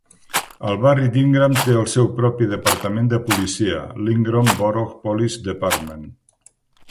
El barri d'Ingram té el seu propi departament de policia, l'Ingram Borough Police Department.